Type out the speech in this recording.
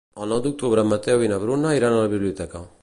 El nou d'octubre en Mateu i na Bruna iran a la biblioteca.